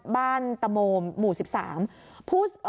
บ้านตมมหมู่๑๓